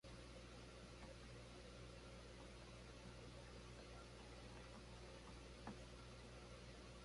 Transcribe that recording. Kay mankaman akshuta huntashun.